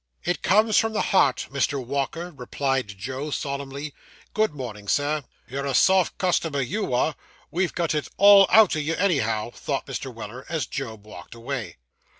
'It comes from the heart, Mr. Walker,' replied Job solemnly. 'Good morning, sir.' 'You're a soft customer, you are; we've got it all out o' you, anyhow,' thought Mr. Weller, as Job walked away.